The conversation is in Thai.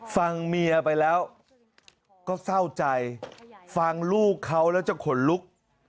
ฟังเมียไปแล้วก็เศร้าใจฟังลูกเขาแล้วจะขนลุก